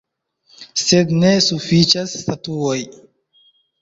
Sed ne sufiĉas statuoj.